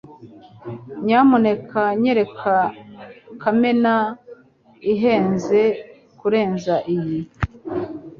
Nyamuneka nyereka kamera ihenze kurenza iyi?